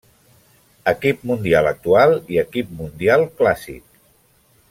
Equip Mundial Actual i Equip Mundial Clàssic.